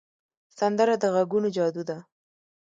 سندره د غږونو جادو ده